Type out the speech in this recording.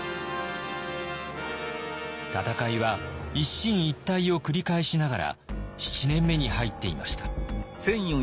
戦いは一進一退を繰り返しながら７年目に入っていました。